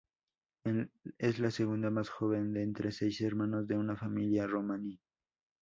Es la segunda más joven de entre seis hermanos de una familia romaní.